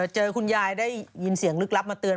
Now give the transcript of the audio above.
เจอคุณยายได้ยินเสียงลึกลับมาเตือน